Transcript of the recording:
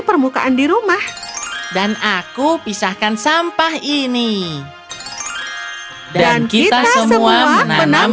permukaan di rumah dan aku pisahkan sampah ini dan kita semua menambah